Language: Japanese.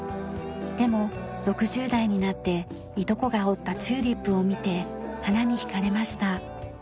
でも６０代になっていとこが折ったチューリップを見て花にひかれました。